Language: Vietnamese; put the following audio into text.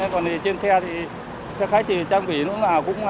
còn trên xe thì xe khách thì trang bị nó cũng nhiệt độ và điều hòa